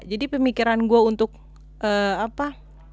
jadi pemikiran gue untuk apa